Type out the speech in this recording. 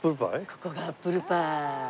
ここがアップルパイ。